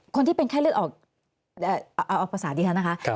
คนที่เป็นไข้เลือดออกเอาภาษาดิฉันนะคะ